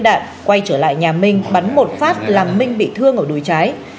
và quay trở lại nhà mình bắn một phát làm mình bị thương ở đùi trái